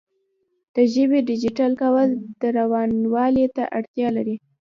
د ژبې ډیجیټل کول روانوالي ته اړتیا لري.